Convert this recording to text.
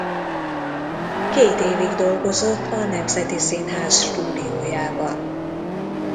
Két évig dolgozott a Nemzeti Színház stúdiójában.